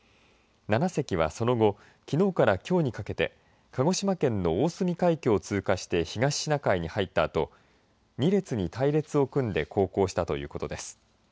７隻はその後きのうからきょうにかけて鹿児島県の大隅海峡を通過して東シナ海に入ったあと２列に隊列を組んで航行したということです。